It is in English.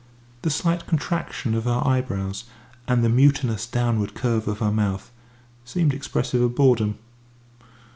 The slight contraction of her eyebrows and the mutinous downward curve of her mouth seemed expressive of boredom.